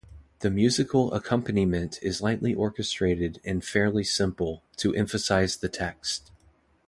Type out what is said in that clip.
The musical accompaniment is lightly orchestrated and fairly simple, to emphasise the text.